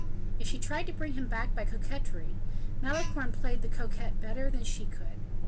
If she tried to bring him back by coquetry, Malicorne played the coquette better than she could.